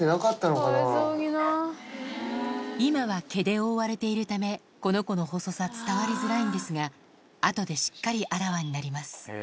今は毛で覆われているため、この子の細さ、伝わりづらいんですが、あとでしっかりあらわになります。